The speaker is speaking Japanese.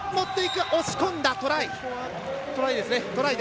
押し込んだ！トライ。